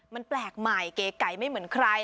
มันแปลกใหม่เก๋ไก่ไม่เหมือนใคร